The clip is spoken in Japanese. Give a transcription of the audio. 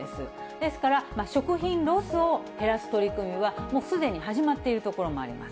ですから、食品ロスを減らす取り組みは、もうすでに始まっている所もあります。